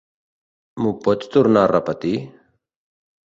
M'ho pots tornar a repetir?